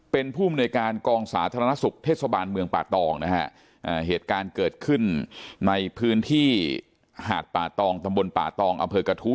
เป็นผู้มนวยการกองสาธารณสุขเทศบาลเมืองป่าตองนะฮะเหตุการณ์เกิดขึ้นในพื้นที่หาดป่าตองตำบลป่าตองอำเภอกระทู้